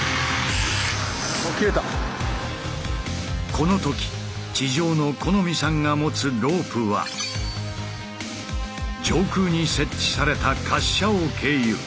この時地上の木実さんが持つロープは上空に設置された滑車を経由。